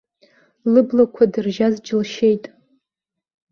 Лыблақәа дыржьаз џьылшьеит.